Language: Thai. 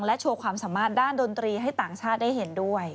โชว์ความสามารถด้านดนตรีให้ต่างชาติได้เห็นด้วย